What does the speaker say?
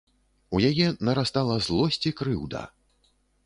У яе нарастала злосць і крыўда.